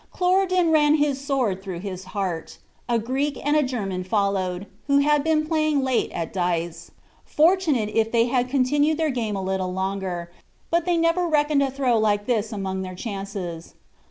Cloridan ran his sword through his heart. A Greek and a German followed, who had been playing late at dice: fortunate if they had continued their game a little longer; but they never reckoned a throw like this among their chances.